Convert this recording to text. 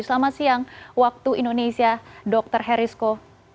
selamat siang waktu indonesia dr herisko